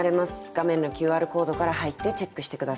画面のＱＲコードから入ってチェックして下さい。